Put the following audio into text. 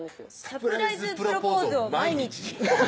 サプライズプロポーズを毎日？